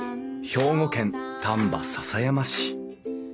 兵庫県丹波篠山市。